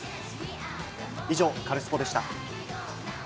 以上、カルスポっ！でした。